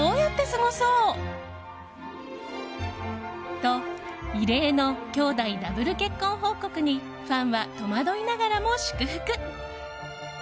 と異例の兄弟ダブル結婚報告にファンは戸惑いながらも祝福。